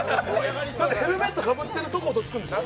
ヘルメットかぶってるとこをどつくんでしょ？